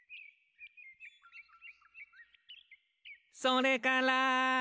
「それから」